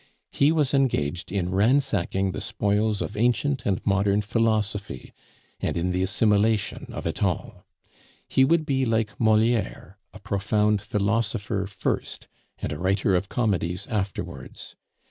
He was engaged in ransacking the spoils of ancient and modern philosophy, and in the assimilation of it all; he would be like Moliere, a profound philosopher first, and a writer of comedies afterwards.